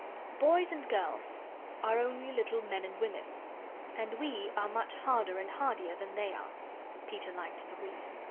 Boys and girls are only little men and women. And WE are much harder and hardier than they are " (Peter liked the "we."